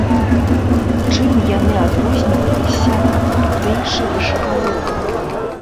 Чым яны адрозніваліся ад тутэйшых жыхароў?